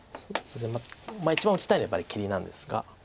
一番打ちたいのはやっぱり切りなんですが。